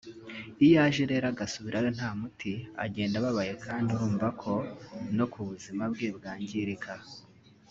Iyo aje rero agasubirayo nta muti agenda ababaye kandi urumva ko no kubuzima bwe bwangirika